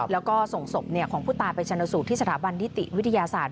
แล้วก็ส่งศพของผู้ตายไปชนสูตรที่สถาบันนิติวิทยาศาสตร์